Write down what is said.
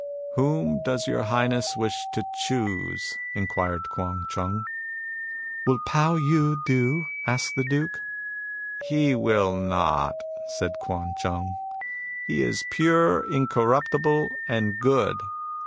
" Whom does your Highness wish to choose ?" inquired Kuan Chung. "WiUPao Yiido?" asked the Duke. " He will not," said Kuan Chung. " He is pure, incorruptible, and good.